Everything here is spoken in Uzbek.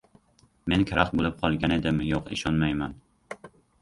Men karaxt bo‘lib qolgan edim. Yo‘q, ishonmayman.